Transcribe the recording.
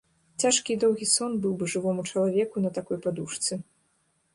Цяжкі і доўгі сон быў бы жывому чалавеку на такой падушцы.